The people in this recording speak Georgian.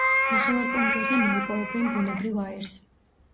ნახევარკუნძულზე მოიპოვებენ ბუნებრივ აირს.